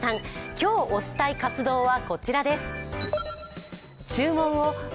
今日推したい活動はこちらです。